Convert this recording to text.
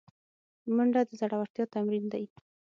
منډه د زړورتیا تمرین دی